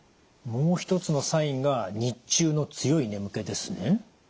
もう一つのサインが日中の強い眠気ですね？